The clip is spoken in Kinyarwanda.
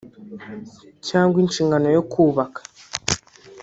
cyangwa inshigano yo kubaka